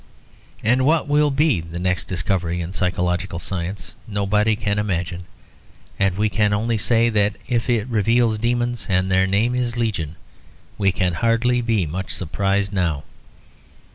And what will be the next discovery in psychological science nobody can imagine; and we can only say that if it reveals demons and their name is Legion, we can hardly be much surprised now.